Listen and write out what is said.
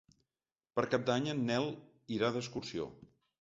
Per Cap d'Any en Nel irà d'excursió.